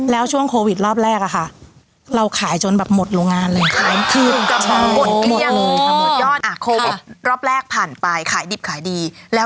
แล้วรอบสองนะคะ